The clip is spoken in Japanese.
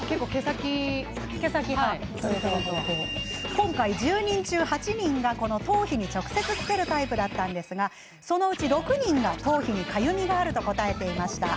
今回、１０人中８人がこの頭皮に直接つけるタイプだったんですがそのうち６人が、頭皮にかゆみがあると答えていました。